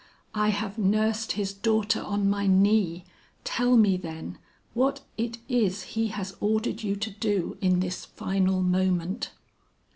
'I have nursed his daughter on my knee; tell me, then, what it is he has ordered you to do in this final moment?'